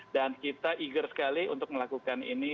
dan kita eager sekali untuk melakukan ini